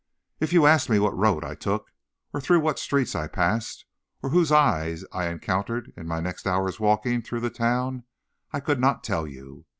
"If you asked me what road I took, or through what streets I passed, or whose eye I encountered in my next hour's walking through the town, I could not tell you.